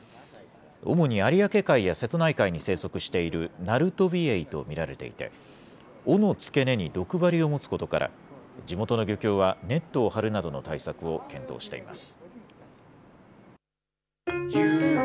主に有明海や瀬戸内海に生息しているナルトビエイと見られていて、尾の付け根に毒針を持つことから、地元の漁協はネットを張るなどの対策を検討しています。